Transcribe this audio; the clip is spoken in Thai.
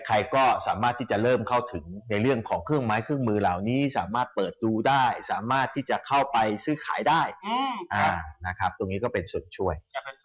ใครก็สามารถที่จะเริ่มเข้าถึงในเรื่องของเครื่องไม้เครื่องมือเหล่านี้สามารถเปิดดูได้สามารถที่จะเข้าไปซื้อขายได้นะครับตรงนี้ก็เป็นส่วนช่วย